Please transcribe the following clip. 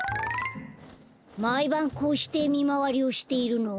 まいばんこうしてみまわりをしているの？